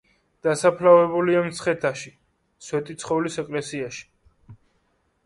დასაფლავებულია მცხეთას, სვეტიცხოვლის ეკლესიაში.